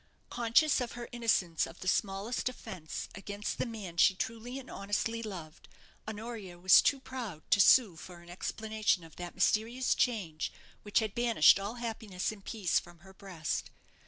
Conscious of her innocence of the smallest offence against the man she truly and honestly loved, Honoria was too proud to sue for an explanation of that mysterious change which had banished all happiness and peace from her breast.